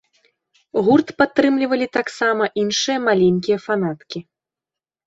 Гурт падтрымлівалі таксама іншыя маленькія фанаткі.